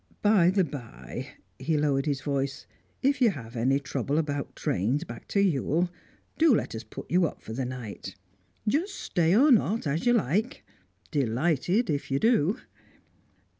By the bye" he lowered his voice "if you have any trouble about trains back to Ewell, do let us put you up for the night. Just stay or not, as you like. Delighted if you do."